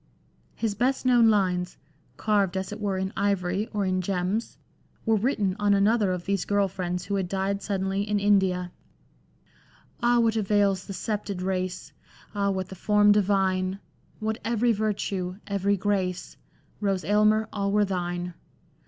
His best known lines, " carved as it were in ivory or Kn gems," LANDOR. XIII were written on another of these girls friends who had died suddenly in India :— "Ah, what avails the scepted race? Ah, what the form divine ? What every virtue, every grace ? Rose Aylmer, all were thine.